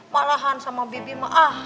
malahan sama bibi mah ah